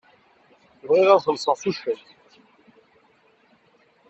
Bɣiɣ ad xellṣeɣ s ucak.